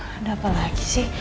ada apa lagi sih